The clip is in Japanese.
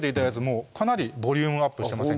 もうかなりボリュームアップしてません？